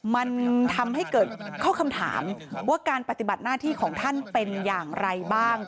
มันทำให้เกิดข้อคำถามว่าการปฏิบัติหน้าที่ของท่านเป็นอย่างไรบ้าง